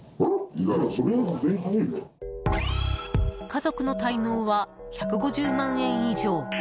家族の滞納は１５０万円以上。